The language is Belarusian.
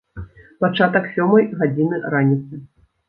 Пачатак сёмай гадзіны раніцы.